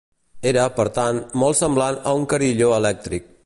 Era, per tant, molt semblant a un carilló elèctric.